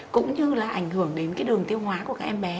cũng như là ảnh hưởng đến cái đường tiêu hóa của các em bé